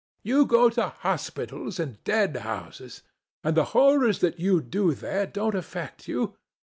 You go to hospitals and dead houses, and the horrors that you do there don't affect you.